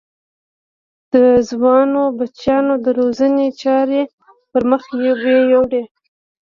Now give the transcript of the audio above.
د ځوانو بچیانو د روزنې چارې پر مخ ویوړې.